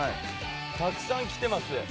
たくさん来ていますね。